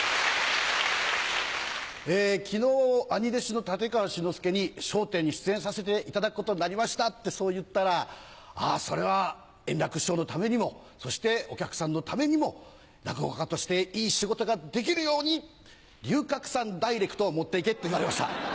昨日あに弟子の立川志の輔に『笑点』に出演させていただくことになりましたってそう言ったらそれは円楽師匠のためにもそしてお客さんのためにも落語家としていい仕事ができるように龍角散ダイレクトを持って行けと言われました。